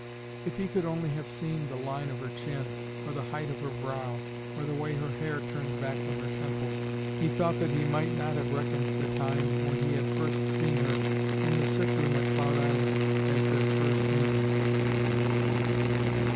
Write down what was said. If he could only have seen the line of her chin, or the height of her brow, or the way her hair turned back from her temples, he thought that he might not have reckoned the time when he had first seen her in the sick room at Cloud Island as their first meeting.